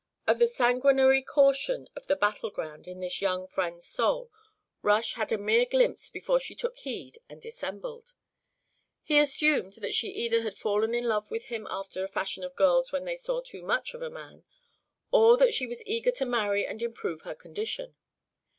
Of the sanguinary condition of the battle ground in his young friend's soul Rush had a mere glimpse before she took heed and dissembled. He assumed that she either had fallen in love with him after the fashion of girls when they saw too much of a man, or that she was eager to marry and improve her condition.